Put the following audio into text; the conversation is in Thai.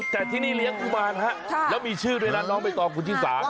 แต่ที่นี่เลี้ยงกุมารฮะแล้วมีชื่อด้วยนะน้องใบตองคุณชิสา